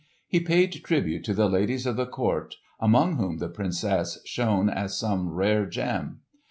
He paid tribute to the ladies of the court among whom the Princess shone as some rare gem.